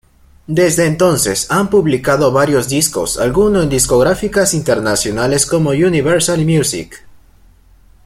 Desde entonces han publicado varios discos, alguno en discográficas internacionales como Universal Music.